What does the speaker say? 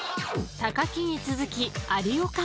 ［木に続き有岡も］